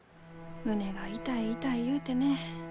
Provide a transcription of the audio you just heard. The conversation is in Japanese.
胸が痛い痛い言うてね。